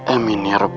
amin ya rabbah